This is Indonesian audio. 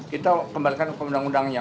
kita kembalikan ke undang undangnya